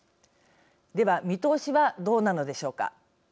では見通しはどうなのでしょうか。